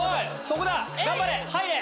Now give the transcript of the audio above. そこだ頑張れ入れ！